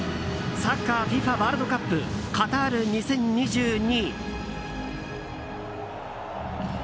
サッカーＦＩＦＡワールドカップカタール２０２２。